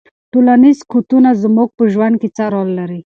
ټولنیز قوتونه زموږ په ژوند کې څه رول لري؟